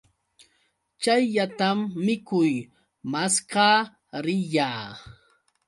Chayllatam mikuy maskaa riyaa.